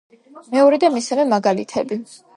მეორე და მესამე მაგალითები.